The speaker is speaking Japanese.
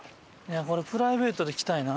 これプライベートで来たいな。